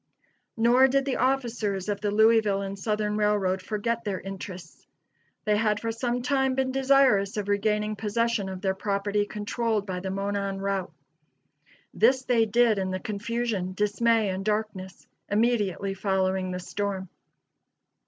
Nor did the officers of the Louisville and Southern Railroad forget their interests. They had for some time been desirous of regaining possession of their property controlled by the Monon Route. This they did in the confusion, dismay and darkness, immediately following the storm.